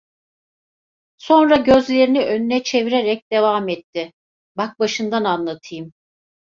Sonra gözlerini önüne çevirerek devam etti: "Bak başından anlatayım…"